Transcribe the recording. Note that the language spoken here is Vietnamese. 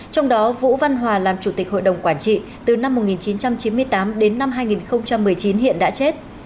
trong đó vũ văn hòa làm chủ tịch hội đồng quản trị từ năm một nghìn chín trăm chín mươi tám đến năm hai nghìn một mươi chín hiện đã chết